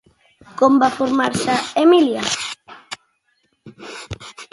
Com va formar-se Emília?